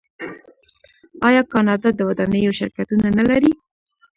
آیا کاناډا د ودانیو شرکتونه نلري؟